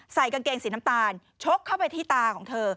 กางเกงสีน้ำตาลชกเข้าไปที่ตาของเธอ